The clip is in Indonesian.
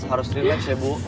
harus relax ya bu